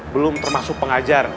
belum termasuk pengajar